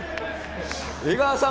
江川さん